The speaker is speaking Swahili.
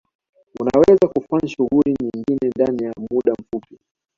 Unaweza kufanya shughuli nyingi ndani ya muda mfupi